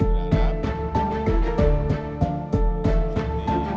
saya berterima kasih